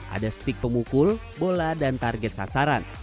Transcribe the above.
ada stick pemukul bola dan target sasaran